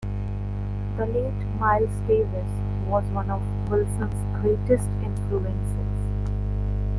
The late Miles Davis was one of Wilson's greatest influences.